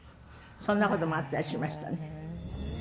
そんなこともあったりしましたね。